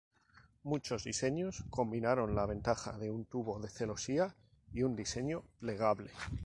Muchos diseños combinaron las ventajas de un tubo de celosía y un diseño plegable.